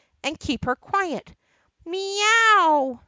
"And keep her quiet!" "Mee ow!"